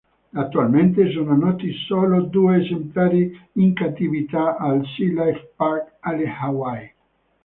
Attualmente sono noti solo due esemplari in cattività al Sea Life Park alle Hawaii.